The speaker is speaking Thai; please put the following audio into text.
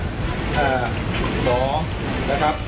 ขอนะครับ